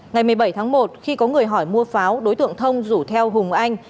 ngày một mươi bảy tháng một khi có người hỏi mua pháo đối tượng thông rủ theo hùng anh